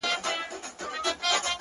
• د عقل سوداګرو پکښي هر څه دي بایللي,